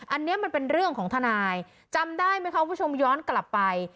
อันนี้มันเป็นเรื่องของทนายจำได้ไหมคะคุณผู้ชมย้อนกลับไป